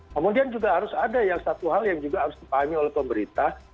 kemudian juga harus ada yang satu hal yang juga harus dipahami oleh pemerintah